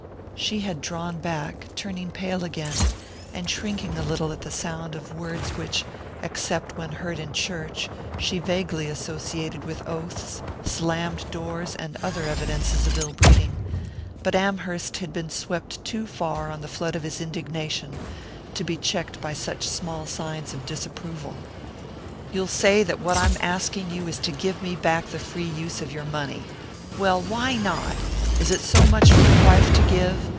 She had drawn back, turning pale again, and shrinking a little at the sound of words which, except when heard in church, she vaguely associated with oaths, slammed doors, and other evidences of ill breeding; but Amherst had been swept too far on the flood of his indignation to be checked by such small signs of disapproval. "You'll say that what I'm asking you is to give me back the free use of your money. Well! Why not? Is it so much for a wife to give?